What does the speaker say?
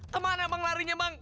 kemana bang larinya bang